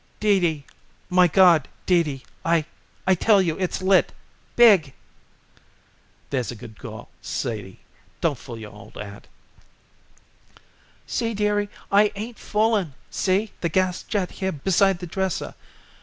"Dee Dee! My God! Dee Dee, I I tell you it's lit big." "There's a good girl, Sadie. Don't fool your old aunt." "See, dearie, I ain't fooling. See, the gas jet here beside the dresser.